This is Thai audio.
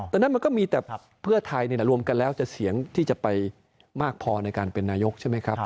แต่นั้นมันก็มีแต่เพื่อไทยรวมกันแล้วจะเสียงที่จะไปมากพอในการเป็นนายกใช่ไหมครับ